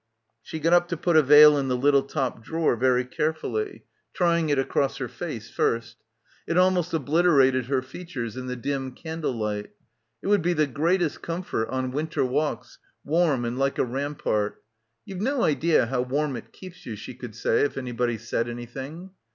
She got up to put a veil in the little top drawer very carefully; — H7 — PILGRIMAGE trying it across her face first. It almost obliter ated her features in the dim candle light. It would be the greatest comfort on winter walks, warm and like a rampart. 'You've no idea how warm it keeps you,' she could say if anybody said anything.